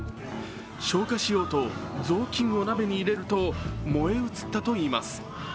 消火しようと、雑巾を鍋に入れると燃え移ったといいます。